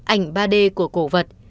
ảnh ba d của cổ vật